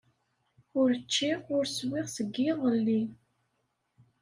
Ur ččiɣ, ur swiɣ seg yiḍelli.